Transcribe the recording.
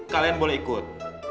kalian boleh ikut